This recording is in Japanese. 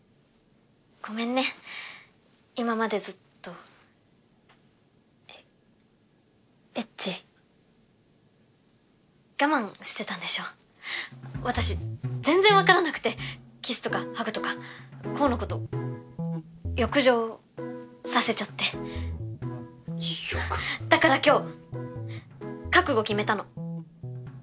ごめんね今までずっとエエッチ我慢してたんでしょ私全然分からなくてキスとかハグとか煌のこと欲情させちゃって欲だから今日覚悟決めたの！